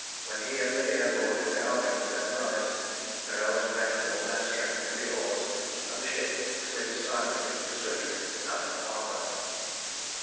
When he and Medea boarded the Argo with their prize, the rowers bent with all their strength to the oars, and the ship slid silently and swiftly out of the harbor.